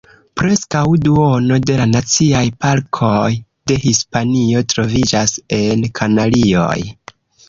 Preskaŭ duono de la Naciaj Parkoj de Hispanio troviĝas en Kanarioj.